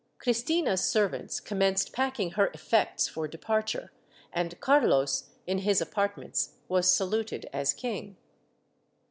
Cristina's servants commenced packing her effects for departure and Carlos, in his apartments, was saluted as king.